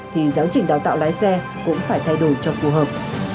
thì giáo trình đào tạo lái xe cũng phải thay đổi cho phù hợp